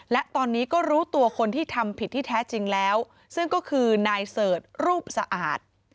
และตอนนี้ก็รู้ตัวคนที่ทำผิดที่แท้จริงแล้วซึ่งก็คือนายเสิร์ชรูปสะอาด